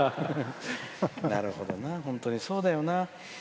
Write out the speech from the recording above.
なるほどな、本当にそうだよな。